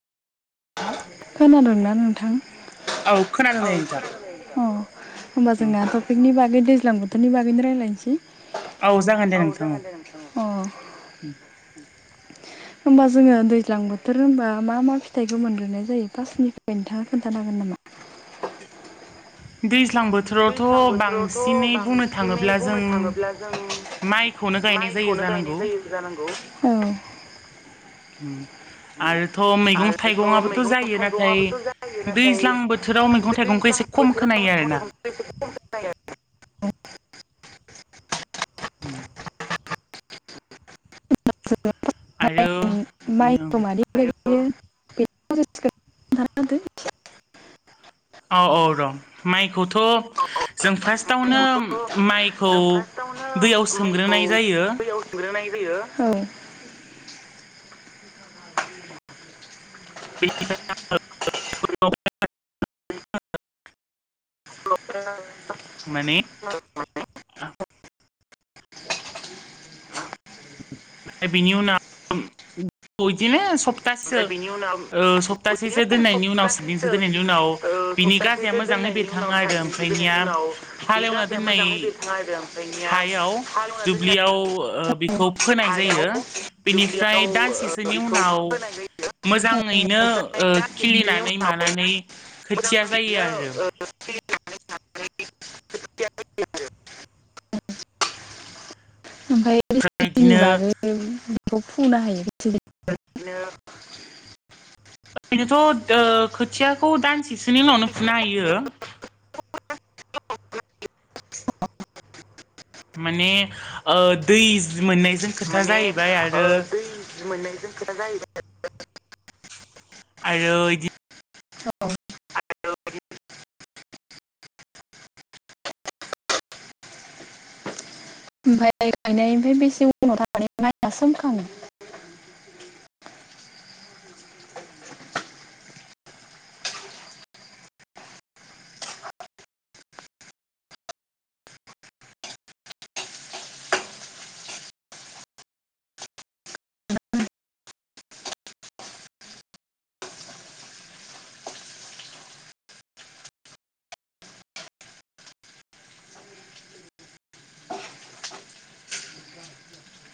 थां खोनादोंना नोंथां औ खोनादों दे नोंथां अ? होमबा जोंहा टपिकनि बागै दैज्लां बोथोरनि बागैनो रायज्लायनोसै औ जागोन दे । औ नोंथां जागोन दे नोंथां अ होमबा जोङो दैज्लां बोथोर होनबा मा मा फिथ फिथाइखौ मोनग्रोनाय जायो फास्निफ्राय नोंथाङा खोन्थानो हागोन नामा? बे दैज्लां बोथोरावथ' बांसिनै बुंनो थाङोब्ला जों माइखौनो गायनाय जायो । खौनो गायनाय जायो जानांगौ औ ओम। आरोथ' मैगं थाइगंआबोथ' जायो नाथाय दैज्लां बोथोराव मैगं थाइगं खौ एसे खम खोनायो आरोना । [unintelligible] [inaudible] आरो बिदिनो [unintelligible] [unintelligible] औ औ र' माइखौथ' जों फार्स्टआवनो माइखौ दैयाव सोमग्रोनाय जायो। औ। [unintelligible] [unintelligible] माने बिनि उनाव इदिनो सब सप्तासे ओ सप्तासेसो दोननायनि उनाव सातदिनसो दोननायनि उनाव बिनि गाजाया मोजां बेरखाङो आरो ओमफ्रायनिया हालेवना दोननाय हायाव दुब्लियाव ओ बेखौ फोनाय जायो बेनिफ्राय दानसेसोनि उनाव मोजाङैनो ओ खिलिनानै मानानै खोथिया जायो आरो। [unintelligible] ओमफ्राय [unintelligible] नि बिदिनो बागै खौ [unintelligible] ओरैनोथ'ओ खोथियाखौ दानसेसोनि उनावनो फुनो हायो। [unintelligible] माने ओ दै मोननायजों खोथा माने जाहैबाय ओ आरो दै मोननायजों खोथा जाहैबा [unintelligible] आरो इदि [unintelligible] ओमफाय गायनायनि मफ्राय बेसे उनाव थांनानै माइना सोमखाङो? [unintelligible]